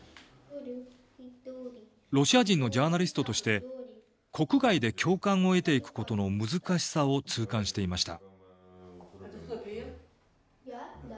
ロシア人のジャーナリストとして国外で共感を得ていくことの難しさを痛感していました。